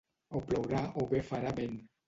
O plourà o bé farà vent.